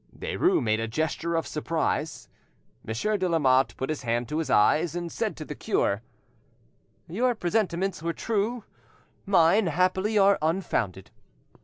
Derues made a gesture of surprise. Monsieur de Lamotte put his hand to his eyes, and said to the cure— "Your presentiments were true; mine, happily, are unfounded.